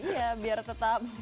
iya biar tetap